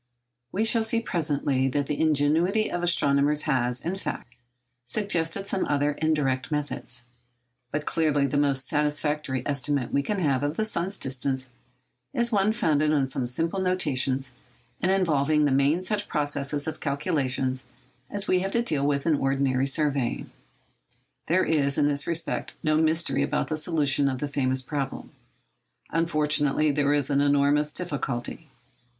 We shall see presently that the ingenuity of astronomers has, in fact, suggested some other indirect methods. But clearly the most satisfactory estimate we can have of the sun's distance is one founded on such simple notions and involving in the main such processes of calculation as we have to deal with in ordinary surveying. There is, in this respect, no mystery about the solution of the famous problem. Unfortunately, there is enormous difficulty.